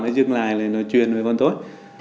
nó dừng lại rồi nó truyền với con tôi